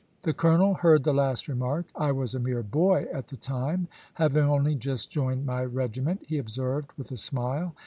The colonel heard the last remark. "I was a mere boy at the time, having only just joined my regiment," he observed, with a smile.